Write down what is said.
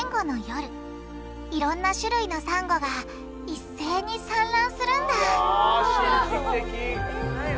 いろんな種類のサンゴが一斉に産卵するんだうわ